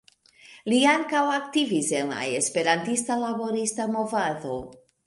Li ankaŭ aktivis en la esperantista laborista movado.